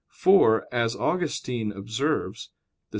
For, as Augustine observes (De Civ.